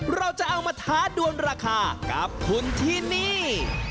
เราจะเอามาท้าดวนราคากับคุณที่นี่